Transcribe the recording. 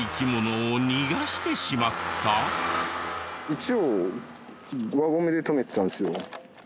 一応輪ゴムで止めてたんですよ。